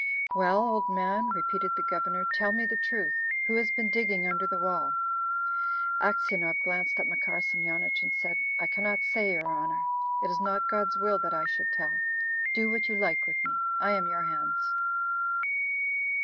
"Well, old man," repeated the Governor, "tell me the truth: who has been digging under the wall?" Aksionov glanced at Makar Semyonich, and said, "I cannot say, your honour. It is not God's will that I should tell! Do what you like with me; I am in your hands."